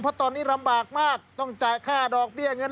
เพราะตอนนี้ลำบากมากต้องจ่ายค่าดอกเบี้ยเงิน